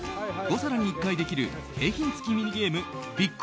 ５皿に１回できる景品付きミニゲームビッ